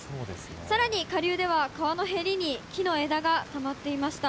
さらに下流では、川のへりに木の枝がたまっていました。